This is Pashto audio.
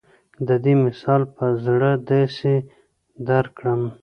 د دې مثال به زۀ داسې درکړم